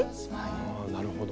ああなるほど。